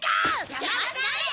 邪魔しないで！